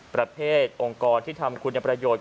ประเภทองค์กรที่ทำคุณประโยชน์